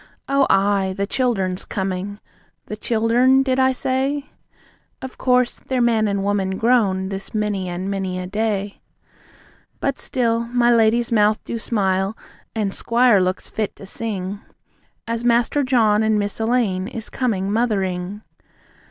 Oh ay, the childern's coming! The CHILDERN did I say? Of course, they're man and woman grown, this many and many a day. But still, my lady's mouth do smile, and squire looks fit to sing, As Master John and Miss Elaine is coming Mothering.